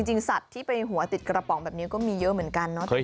จริงสัตว์ที่ไปหัวติดกระป๋องแบบนี้ก็มีเยอะเหมือนกันเนาะ